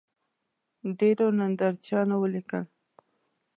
ډېرو نندارچیانو ولیکل